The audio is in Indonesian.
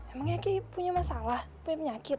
emang ya ki punya masalah punya penyakit